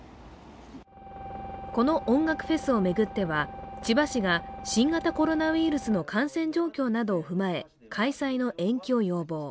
この音楽フェスを巡っては千葉市が新型コロナウイルスの感染状況などを踏まえ、開催の延期を要望。